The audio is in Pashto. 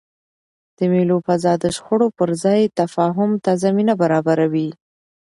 د مېلو فضا د شخړو پر ځای تفاهم ته زمینه برابروي.